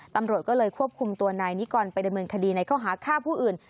ตำรวจก็เลยควบคุมตัวนายนิกรไปดำเนินคดีในข้อหาฆ่าผู้อื่น